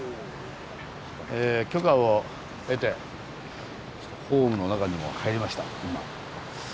許可を得てホームの中にも入りました今。